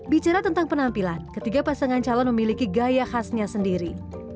bicara tentang penampilan ketiga pasangan calon memiliki gaya khasnya sendiri